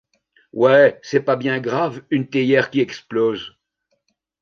Ouais, c’est pas bien grave une théière qui explose.